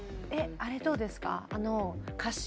あれどうですか？